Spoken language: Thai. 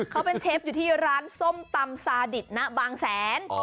เขาเป็นเชฟอยู่ที่ร้านส้มตำซาดิตณบางแสน